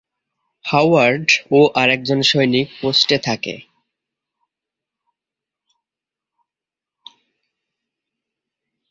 Howard ও আরেকজন সৈনিক পোস্টে থাকে।